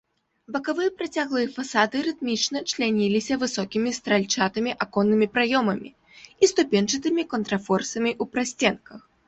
Бакавыя працяглыя фасады рытмічна чляніліся высокімі стральчатымі аконнымі праёмамі і ступеньчатымі контрфорсамі ў прасценках.